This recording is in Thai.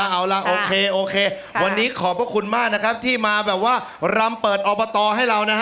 เอาล่ะโอเคโอเควันนี้ขอบพระคุณมากนะครับที่มาแบบว่ารำเปิดอบตให้เรานะฮะ